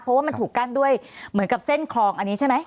เพราะว่ามันถูกกั้นด้วยเหมือนกับเส้นคลองอันนี้ใช่ไหม